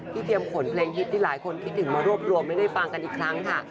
เตรียมขนเพลงฮิตที่หลายคนคิดถึงมารวบรวมให้ได้ฟังกันอีกครั้งค่ะ